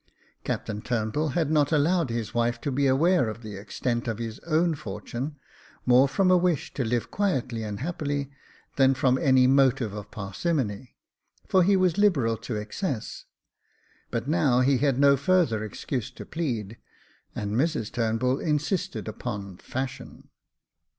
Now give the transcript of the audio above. Captain Turnbull had not allowed his wife to be aware of the extent of his own fortune, more from a wish to live quietly and happily, than from any motive of parsimony, for he was liberal to excess ; but now he had no further excuse to plead, and Mrs Turnbull insisted upon fashion.